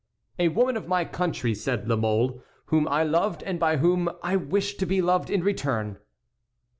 "A woman of my country," said La Mole, "whom I loved and by whom I wished to be loved in return."